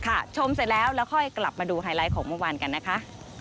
ชมเสร็จแล้วแล้วค่อยกลับมาดูไฮไลท์ของเมื่อวานกันนะคะ